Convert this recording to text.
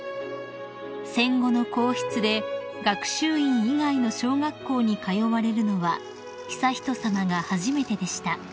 ［戦後の皇室で学習院以外の小学校に通われるのは悠仁さまが初めてでした］